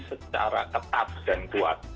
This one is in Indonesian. secara ketat dan kuat